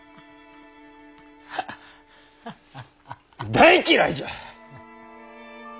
大嫌いじゃ！